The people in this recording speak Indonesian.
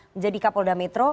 menjadi kapolda metro